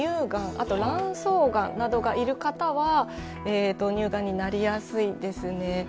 あと卵巣がんなどがいる方は乳がんになりやすいですね。